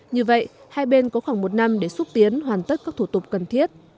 như vậy hai bên có khoảng một năm để xúc tiến hoàn tất các thủ tục cần thiết